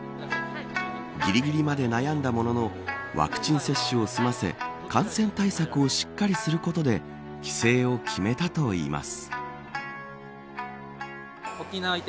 ぎりぎりまで悩んだもののワクチン接種を済ませ感染対策をしっかりすることで帰省を決めたといいます。